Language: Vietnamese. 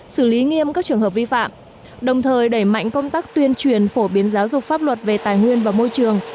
xử lý nghiêm các trường hợp vi phạm đồng thời đẩy mạnh công tác tuyên truyền phổ biến giáo dục pháp luật về tài nguyên và môi trường